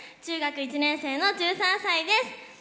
中学１年生の１３歳です